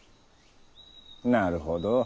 なるほど。